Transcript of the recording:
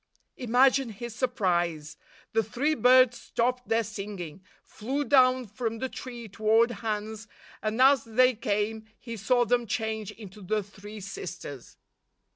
Imagine his surprise ! The three birds stopped their singing, flew down from the tree toward Hans, and as they came, he saw them change into the three sisters.